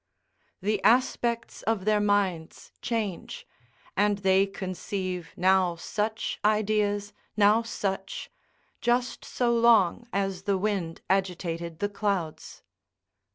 ["The aspects of their minds change; and they conceive now such ideas, now such, just so long as the wind agitated the clouds."